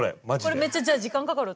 これめっちゃじゃあ時間かかる？